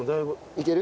いける？